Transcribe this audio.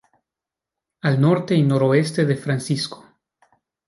Al norte y noroeste de Fco.